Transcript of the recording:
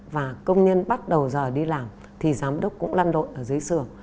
và công nhân bắt đầu giờ đi làm thì giám đốc cũng lăn đội ở dưới sườn